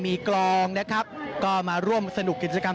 มีกลองนะครับก็มาร่วมสนุกกิจกรรม